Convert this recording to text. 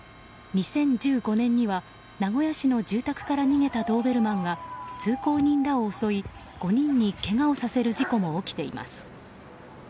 ２０１５年には名古屋市の住宅から逃げたドーベルマンが通行人らを襲い５人にけがをさせる事故も起きています。